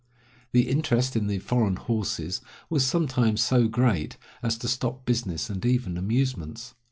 The interest in the "foreign horses" was sometimes so great as to stop business and even amusements.